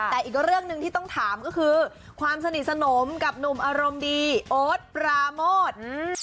แต่อีกเรื่องหนึ่งที่ต้องถามก็คือความสนิทสนมกับหนุ่มอารมณ์ดีโอ๊ตปราโมท